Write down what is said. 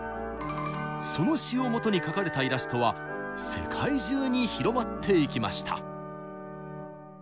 その詩をもとに描かれたイラストは世界中に広まっていきました。